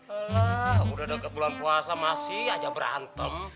alah udah deket bulan puasa masih aja berantem